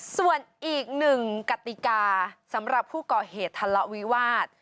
ส่วนอีกหนึ่งกติกาสำหรับผู้ก่อเหตุทะเลาะวิวาส